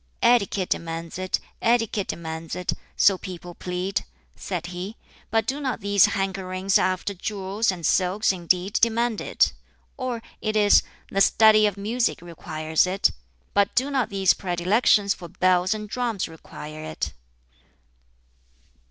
"'Etiquette demands it.' 'Etiquette demands it,' so people plead," said he; "but do not these hankerings after jewels and silks indeed demand it? Or it is, 'The study of Music requires it' 'Music requires it'; but do not these predilections for bells and drums require it?"